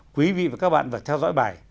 quý vị và các bạn vừa theo dõi bài